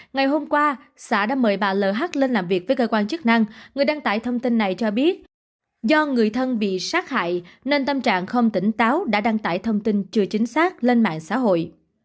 ngày hôm qua xã đã mời bà lh lên làm việc với cơ quan chức năng người đăng tải thông tin này cho biết do người thân bị sát hại nên tâm trạng không tỉnh táo đã đăng tải thông tin chưa chính xác lên mạng xã hội